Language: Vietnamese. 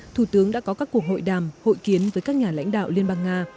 thủ tướng đã có các cuộc hội đàm hội kiến với các nhà lãnh đạo liên bang nga